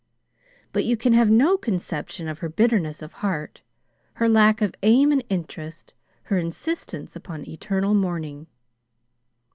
But you can have no conception of her bitterness of heart, her lack of aim and interest, her insistence upon eternal mourning.